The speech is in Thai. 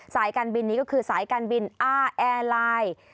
สายการบินนี้ก็คือสายการบินอ้าแอร์ไลน์